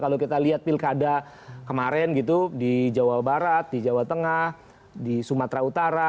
kalau kita lihat pilkada kemarin gitu di jawa barat di jawa tengah di sumatera utara